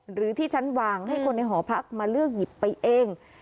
หรือที่ฉันวางให้คนในหอพักมาเลือกหยิบไปเอง